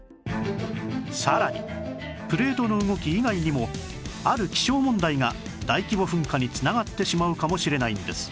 さらにプレートの動き以外にもある気象問題が大規模噴火に繋がってしまうかもしれないんです